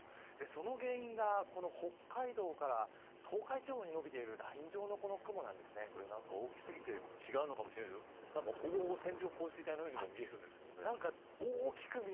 その原因が、北海道から東海地方にのびているこれ大きすぎて違うかもしれませんけどほぼほぼ、線状降水帯のようにも見えるんですけどね。